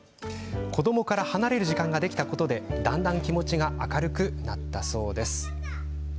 子どもから離れる時間ができたことでだんだん気持ちが明るくなったそうです。